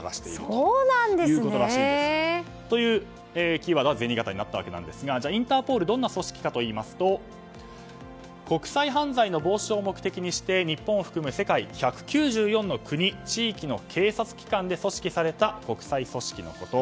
それで、キーワードはゼニガタになったんですがインターポールどんな組織かといいますと国際犯罪の防止を目的にして日本を含む世界１９４国・地域の警察機関で組織された国際組織のこと。